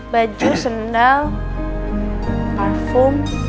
baju sendal parfum